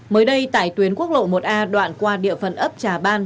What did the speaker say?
mới đây tại tuyến quốc lộ một a đoạn qua địa phần ấp trà ban